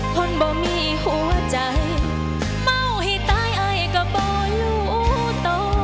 ฮ่อนบ่มีหัวใจเมาให้ตายไอ้ก็บ่รู้ต่อ